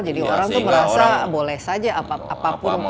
jadi orang tuh merasa boleh saja apa pun